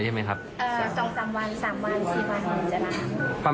แล้วอีกนานไหมที่เขาจะกลับมาทำงานเป็นปกติได้